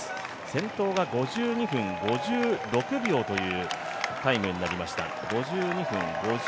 先頭が５２分５６秒というタイムになりました。